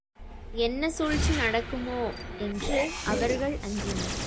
என்ன சூழ்ச்சி நடக்குமோ? என்று அவர்கள் அஞ்சினர்.